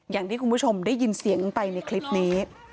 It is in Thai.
อย่างที่คุณผู้ชมได้ยินเสียงไปในคลิปนี้